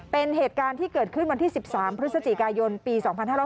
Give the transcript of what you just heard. เป็นเหตุการณ์ที่เกิดขึ้นวันที่๑๓พฤศจิกายนปี๒๕๕๙